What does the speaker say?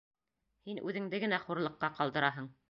Һин үҙеңде генә хурлыҡҡа ҡалдыраһың.